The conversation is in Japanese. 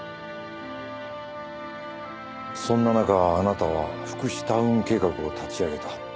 そんな中あなたは福祉タウン計画を立ち上げた。